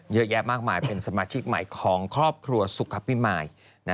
เยอะแยะมากมายเป็นสมาชิกใหม่ของครอบครัวสุขภิมาย